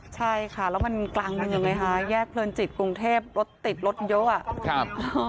ใช่ค่ะแล้วมันกลางเมืองยังไงฮะแยกเพลินจิตกรุงเทพรถติดรถเยอะอ่ะครับ